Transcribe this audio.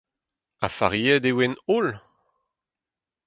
Ha faziet e oant holl ?